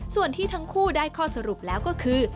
ส่วนที่ทั้งคู่ได้ข้อสรุปแล้วก็คือ